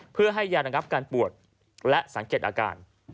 เพื่อให้ยาระงับการปวดและสังเกตอาการ